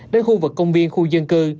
đến khu vực công viên khu dân cư